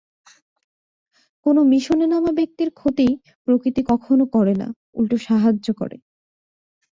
কোনো মিশনে নামা ব্যক্তির ক্ষতি প্রকৃতি কখনো করে না, উল্টো সাহায্য করে।